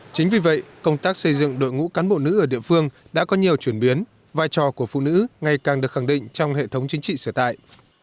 chính vì vậy công tác xây dựng đội ngũ cán bộ nữ ở địa phương đã có nhiều chuyển biến vai trò của phụ nữ ngày càng được khẳng định trong hệ thống chính trị sửa tại